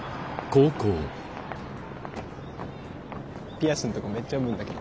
ピアスのとこめっちゃ膿むんだけど。